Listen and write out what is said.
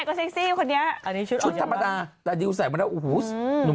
อันนี้ชุดออกจากวันชุดธรรมดาแต่ดิวใส่มาแล้วโอ้โฮ